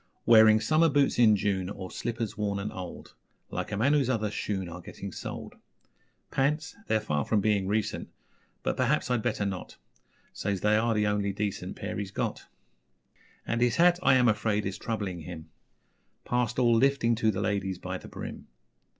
Wearing summer boots in June, or Slippers worn and old Like a man whose other shoon are Getting soled. Pants? They're far from being recent But, perhaps, I'd better not Says they are the only decent Pair he's got. And his hat, I am afraid, is Troubling him Past all lifting to the ladies By the brim.